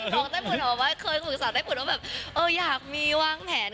น้องใต้ผุนออกมาว่าเคยคุยกับสาวใต้ผุนว่าแบบอยากมีวางแผน